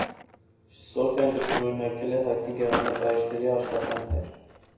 Սոֆյան կրկնօրինակել է հայտնի գեղանկարիչների աշխատանքներ։